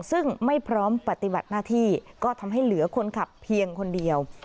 ซึ่งไม่พร้อมปฏิบัติหน้าที่ก็ทำให้เหลือคนขับเพียงคนเดียว